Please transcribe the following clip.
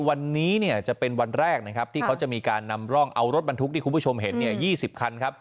วันนี้จะเป็นวันแรกนะครับที่เขาจะมีการนำร่องเอารถบรรทุกที่คุณผู้ชมเห็น๒๐คันครับ